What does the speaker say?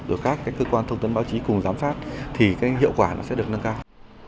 rồi các cái cơ quan thông tấn báo chí cùng giám phát thì cái hiệu quả nó sẽ được nâng cao